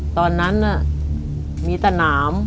ตอนนั้นมีแต่หนาม